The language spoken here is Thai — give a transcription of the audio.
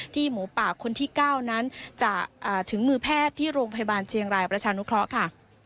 หมูป่าคนที่๙นั้นจะถึงมือแพทย์ที่โรงพยาบาลเชียงรายประชานุเคราะห์ค่ะ